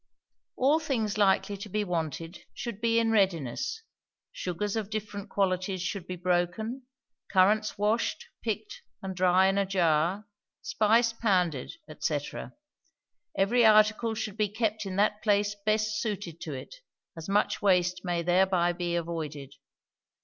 All things likely to be wanted should be in readiness, sugars of different qualities should be broken; currants washed, picked and dry in a jar; spice pounded, &c. Every article should be kept in that place best suited to it, as much waste may thereby be avoided.